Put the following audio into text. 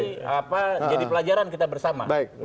jadi pelajaran kita bersama